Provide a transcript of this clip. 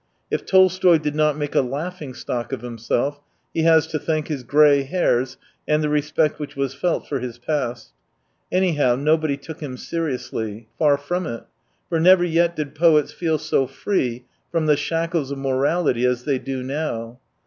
If Tolstoy did not make a laughing stock of himself, he has to thank his grey hairs and the respect which was felt for his past. Anyhow, nobody took him seriously. Far from it; for never yet did poets feel so free from the shackles of morality as they do now.